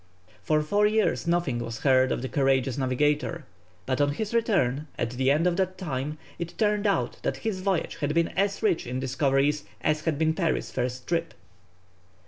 For four years nothing was heard of the courageous navigator, but on his return, at the end of that time, it turned out that his voyage had been as rich in discoveries as had been Parry's first trip.